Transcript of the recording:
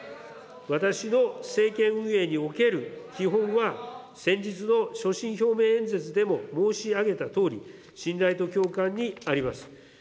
私の政権運営における基本は、先日の所信表明演説でも申し上げたとおり、信頼と共感にあります。